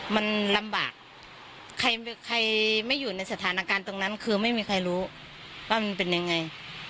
มันลำบากใครไม่อยู่ในสถานการณ์ตรงนั้นคือไม่มีใครรู้ว่ามันเป็นยังไง